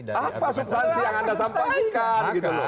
apa substansi yang anda sampaikan